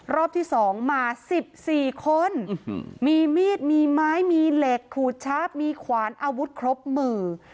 รอบที่สองมาสิบสี่คนมีมีดมีไม้มีเหล็กขูดชาบมีขวานอาวุธครบมือ